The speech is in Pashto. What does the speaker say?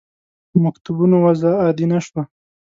په مکتوبونو وضع عادي نه شوه.